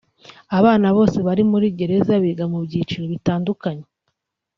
Abana bose bari muri gereza biga mu byiciro bitandukanye